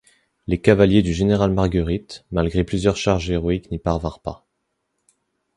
Les cavaliers du général Margueritte, malgré plusieurs charges héroïques n'y parvinrent pas.